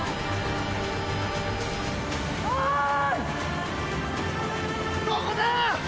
おい！